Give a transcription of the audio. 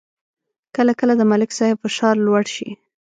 کله کله د ملک صاحب فشار لوړ شي